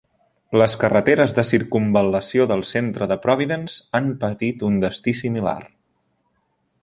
Les carreteres de circumval·lació del centre de Providence han patit un destí similar.